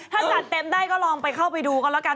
ถ้าจัดเต็มได้ก็ลองไปเข้าไปดูกันแล้วกัน